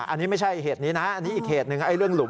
อันนี้ไม่ใช่เหตุนี้นะอันนี้อีกเหตุหนึ่ง